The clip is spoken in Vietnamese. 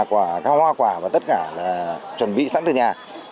các hoa quả và tất cả là chuẩn bị sẵn từ nhà